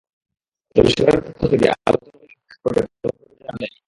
তবে সরকারের পক্ষ থেকে আলোচনা বাতিলের প্রেক্ষাপটে কোনো প্রতিক্রিয়া জানা যায়নি।